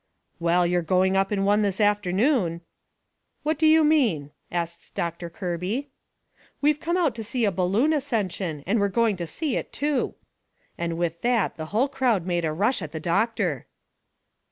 "Well, you're going up in one this afternoon!" "What do you mean?" asts Doctor Kirby. "We've come out to see a balloon ascension and we're going to see it, too." And with that the hull crowd made a rush at the doctor.